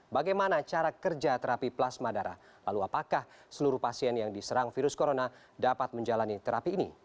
bagaimana cara kerja terapi plasma darah lalu apakah seluruh pasien yang diserang virus corona dapat menjalani terapi ini